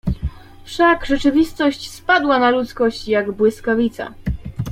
"Wszak rzeczywistość spadła na ludzkość jak błyskawica."